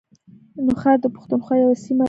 نوښار د پښتونخوا یوه سیمه ده